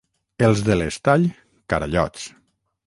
Els de l'Estall, carallots.